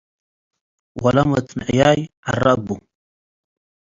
ወለመትንዕያይ ዐረ እቡ።